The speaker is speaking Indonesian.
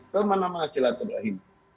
kemana mana silatul rahim